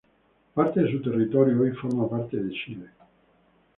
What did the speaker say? Parte de su territorio hoy forma parte de Chile.